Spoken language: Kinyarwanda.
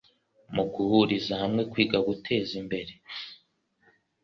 mu guhuriza hamwe kwiga guteza imbere